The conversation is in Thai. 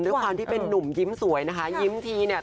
ด้วยความที่เป็นนุ่มยิ้มสวยนะคะยิ้มทีเนี่ย